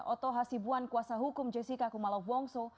oto hasibuan kuasa hukum jessica kumalo wongso